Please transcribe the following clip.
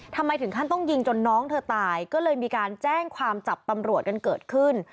ทำไมถึงขั้นต้องยิงจนน้องเธอตายก็เลยมีการแจ้งความจับตำรวจกันเกิดขึ้น